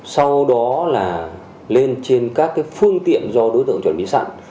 sau đó là lên trên các phương tiện do đối tượng chuẩn bị sẵn